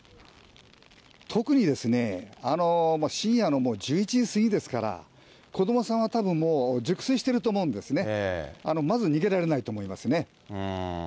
特に、深夜のもう１１時過ぎですから、子どもさんはたぶん、もう熟睡していると思うんですね、まず逃げられないと思いますね。